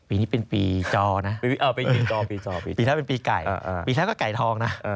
ปีนี้เป็นปีจอนะปีนี้ถ้าเป็นปีไก่ปีเท่าก็เป็นปีไก่ทองนะ